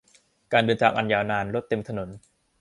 การเดินทางอันยาวนาน รถเต็มถนน